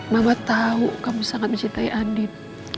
mama tahu kamu sangat mencintai andin